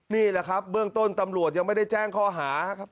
นี่แหละครับเบื้องต้นตำรวจยังไม่ได้แจ้งข้อหาครับ